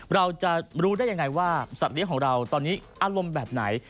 เราจะรู้ได้ยังไงว่าสัตว์ของเราตอนนี้อารมณ์แบบไหน